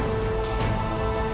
saat pertama kali mereka bertemu